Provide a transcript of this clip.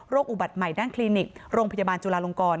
อุบัติใหม่ด้านคลินิกโรงพยาบาลจุลาลงกร